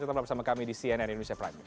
tetap bersama kami di cnn indonesia prime news